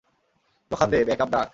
Lokhande, backup ডাক।